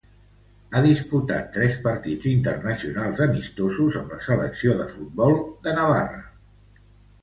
Ha disputat tres partits internacionals amistosos amb la selecció de futbol de Navarra.